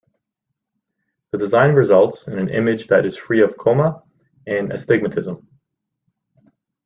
The design results in an image that is free of coma and astigmatism.